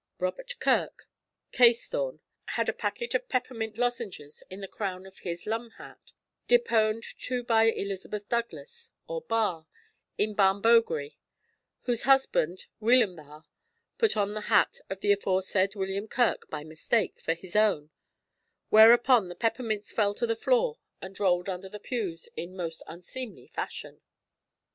Robert Kirk, Carsethorn, had a packet of peppermint lozenges in the crown of his 'lum' hat deponed to by Elizabeth Douglas or Barr, in Barnbogrie, whose husband, Weelum Barr, put on the hat of the aforesaid Robert Kirk by mistake for his own, whereupon the peppermints fell to the floor and rolled under the pews in most unseemly fashion.